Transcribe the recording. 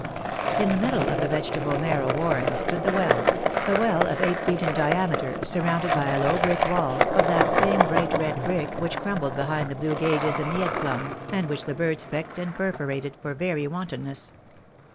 I 6 I In the middle of a vegetable marrow warren stood the well — a well of eight feet in diameter, surrounded by a low brick wall, of that same bright red brick which crumbled behind the blue gages and the egg plums, and which the birds pecked and perforated, for very wanton ness.